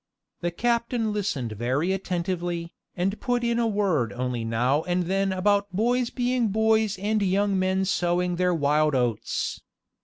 The captain listened very attentively, and put in a word only now and then about boys being boys and young men sowing their wild oats.